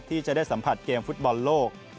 ที่จะได้สัมผัสเกมฟุตบอลโลก